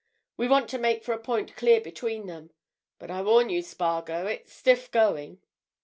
We want to make for a point clear between them. But I warn you, Spargo, it's stiff going!"